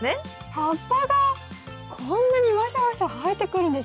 葉っぱがこんなにわしゃわしゃ生えてくるんですね。